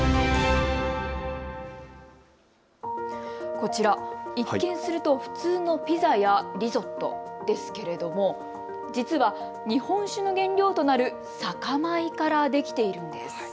こちら一見すると普通のピザやリゾットですけれども実は日本酒の原料となる酒米からできているんです。